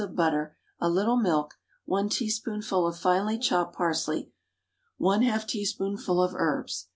of butter, a little milk, 1 teaspoonful of finely chopped parsley, 1/2 teaspoonful of herbs.